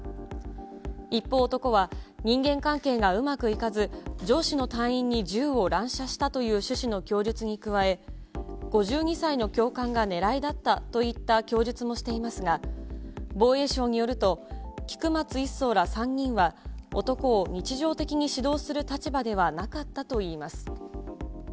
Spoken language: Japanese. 一方、男は人間関係がうまくいかず、上司の隊員に銃を乱射したという趣旨の供述に加え、５２歳の教官が狙いだったといった供述もしていますが、防衛省によると、菊松１曹ら３人は、男を日常的に指導する立場ではなかったといいます。